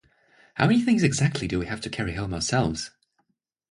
How many things exactly do we have to carry home ourselves?